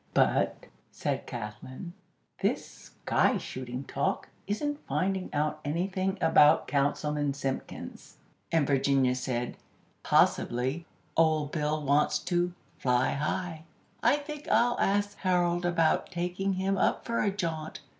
"But," said Kathlyn, "this sky shooting talk isn't finding out anything about Councilman Simpkins;" and Virginia said: "Possibly Old Bill wants to 'fly high.' I think I'll ask Harold about taking him up for a jaunt."